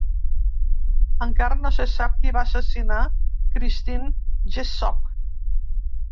Encara no se sap qui va assassinar Christine Jessop.